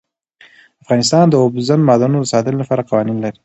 افغانستان د اوبزین معدنونه د ساتنې لپاره قوانین لري.